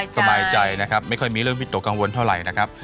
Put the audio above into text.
สบายใจนะครับไม่ค่อยมีเรื่องวิตกกังวลเท่าไหร่นะครับ